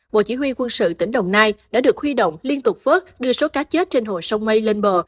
bộ chỉ huy quân sự tỉnh đồng nai đã được huy động liên tục vớt đưa số cá chết trên hồ sông mây lên bờ